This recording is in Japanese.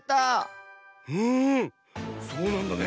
うんそうなんだね。